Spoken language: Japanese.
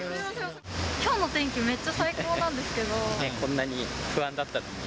きょうの天気、めっちゃ最高こんなに不安だったのに。